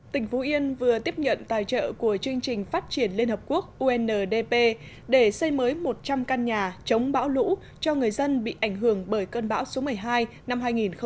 tỉnh phú yên vừa tiếp nhận tài trợ của chương trình phát triển liên hợp quốc undp để xây mới một trăm linh căn nhà chống bão lũ cho người dân bị ảnh hưởng bởi cơn bão số một mươi hai năm hai nghìn một mươi bảy